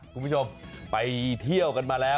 คุณผู้ชมไปเที่ยวกันมาแล้ว